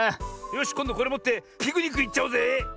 よしこんどこれもってピクニックいっちゃおうぜ！